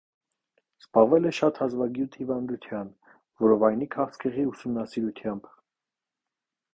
Զբաղվել է շատ հազվագյուտ հիվանդության՝ որովայնի քաղցկեղի ուսումնասիրությամբ։